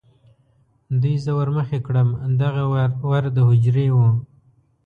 دوی زه ور مخې کړم، دغه ور د هوجرې و.